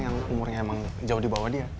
yang umurnya emang jauh dibawah dia